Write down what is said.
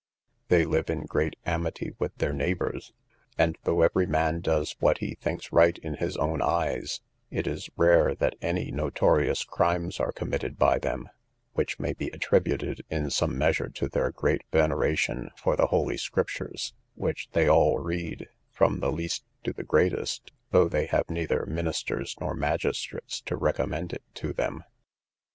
They live in great amity with their neighbours, and, though every man does what he thinks right in his own eyes, it is rare that any notorious crimes are committed by them, which may be attributed in some measure to their great veneration for the Holy Scriptures, which they all read, from the least to the greatest, though they have neither ministers nor magistrates to recommend it to them.